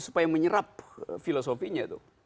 supaya menyerap filosofinya itu